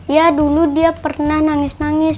ya dulu dia pernah nangis nangis